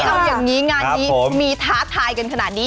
เอาอย่างนี้งานนี้มีท้าทายกันขนาดนี้